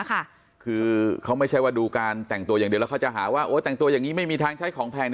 คือเขาไม่ใช่ว่าดูการแต่งตัวอย่างเดียวแล้วเขาจะหาว่าแต่งตัวอย่างนี้ไม่มีทางใช้ของแพง